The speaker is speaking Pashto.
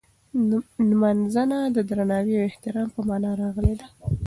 نمځنه د درناوي او احترام په مانا راغلې ده.